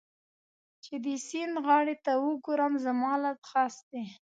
چې د سیند غاړې ته وګورم، زما له ځغاستې.